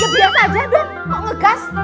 ya biasa aja dong mau ngegas